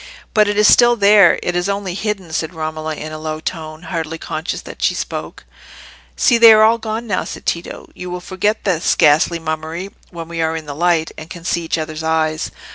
"But it is still there—it is only hidden," said Romola, in a low tone, hardly conscious that she spoke. "See, they are all gone now!" said Tito. "You will forget this ghastly mummery when we are in the light, and can see each other's eyes.